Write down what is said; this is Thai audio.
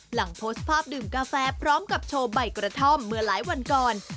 หลังโพสต์ภาพดื่มกาแฟพร้อมกับโชว์ใบกระท่อมเมื่อหลายวันก่อน